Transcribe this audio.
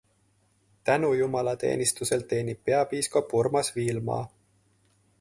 Tänujumalateenistusel teenib peapiiskop Urmas Viilma.